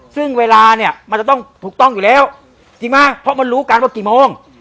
ซึ่งเวลามันจะต้องถูกต้องอยู่แล้วเพราะมันรู้การพบกี่โมง